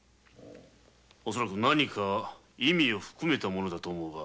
恐らく何かの意味を含めたものだと思うが。